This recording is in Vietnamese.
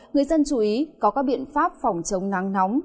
người dân chú ý có các biện pháp phòng chống nắng nóng để đảm bảo sức khỏe